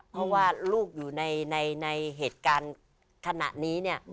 เพราะว่าลูกอยู่ในเหตุการณ์ขณะนี้เนี่ย